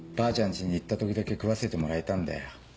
家に行った時だけ食わせてもらえたんだよ。